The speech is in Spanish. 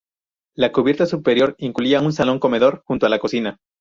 La cubierta superior incluía un salón-comedor junto a la cocina.